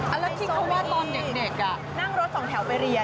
แล้วที่เขาว่าตอนเด็กนั่งรถสองแถวไปเรียน